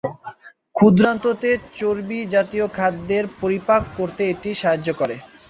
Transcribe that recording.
ক্ষুদ্রান্ত্র-তে চর্বি জাতীয় খাদ্যের পরিপাক করতে এটি সাহায্য করে।